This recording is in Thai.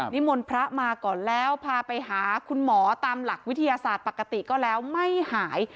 นิมนต์พระมาก่อนแล้วพาไปหาคุณหมอตามหลักวิทยาศาสตร์ปกติก็แล้วไม่หาย